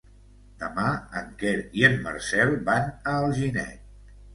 Demà en Quer i en Marcel van a Alginet.